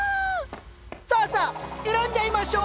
さあさあ選んじゃいましょう。